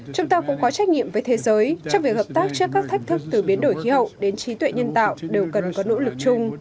chúng ta cũng có trách nhiệm với thế giới trong việc hợp tác trước các thách thức từ biến đổi khí hậu đến trí tuệ nhân tạo đều cần có nỗ lực chung